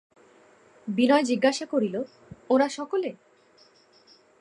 বিনয় জিজ্ঞাসা করিল, ওঁরা সকলে?